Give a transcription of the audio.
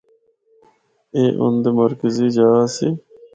اے اُن دے مرکزی جا آسی۔